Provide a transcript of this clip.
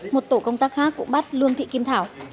một tổ công tác khác cũng bắt luân thị kim thảo